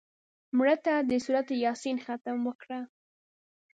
مړه ته د سورت یاسین ختم وکړه